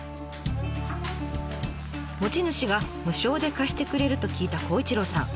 持ち主が無償で貸してくれると聞いた孝一郎さん。